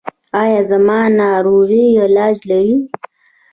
ایا زما ناروغي علاج لري؟